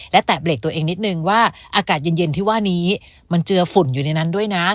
และแตะเบรกตัวเองนิดนึงว่าอากาศเย็นที่ว่านี้มันเจือฝุ่นอยู่ในนั้นด้วยนะ